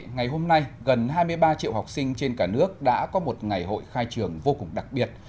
ngày hôm nay gần hai mươi ba triệu học sinh trên cả nước đã có một ngày hội khai trường vô cùng đặc biệt